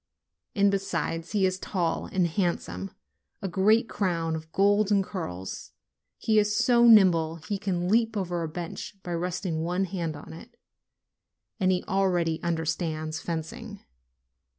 And besides, he is tall and handsome, with a great 46 NOVEMBER crown of golden curls; he is so nimble that he can leap over a bench by resting one hand on it ; and he already understands fencing.